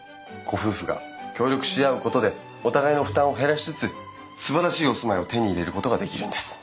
ご夫婦が協力し合うことでお互いの負担を減らしつつすばらしいお住まいを手に入れることができるんです。